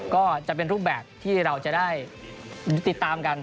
ก็จะเป็นรูปแบบที่เราจะได้ติดตามกัน